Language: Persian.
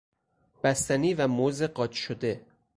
بستنی و موز قاچ شده